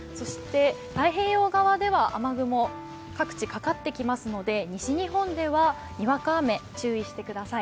太平洋側では雨雲、各地かかってきますので西日本ではにわか雨に注意してください。